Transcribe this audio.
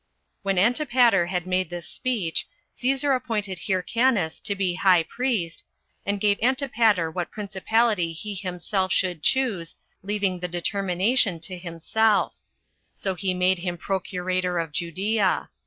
5. When Antipater had made this speech, Cæsar appointed Hyrcauus to be high priest, and gave Antipater what principality he himself should choose, leaving the determination to himself; so he made him procurator of Judea.